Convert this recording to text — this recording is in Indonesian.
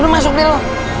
masuk deh lo